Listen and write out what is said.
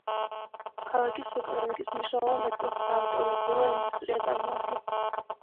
ქალაქის ეკონომიკის მნიშვნელოვან ნაწილს საავტომობილო ინდუსტრია წარმოადგენს.